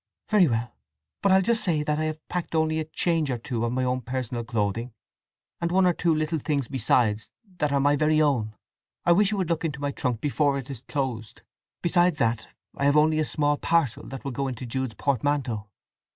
"Very well. But I'll just say that I have packed only a change or two of my own personal clothing, and one or two little things besides that are my very own. I wish you would look into my trunk before it is closed. Besides that I have only a small parcel that will go into Jude's portmanteau."